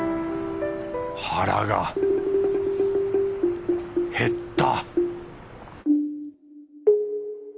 腹が減った